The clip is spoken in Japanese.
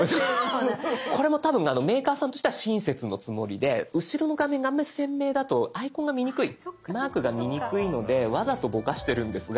これも多分メーカーさんとしては親切のつもりで後ろの画面があんまり鮮明だとアイコンが見にくいマークが見にくいのでわざとボカしてるんですが。